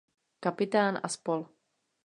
Kapitán a spol.